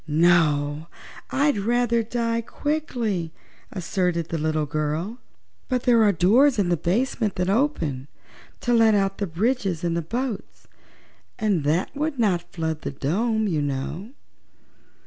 "No, I'd rather die quickly," asserted the little girl. "But there are doors in the basement that open to let out the bridges and the boats and that would not flood the dome, you know."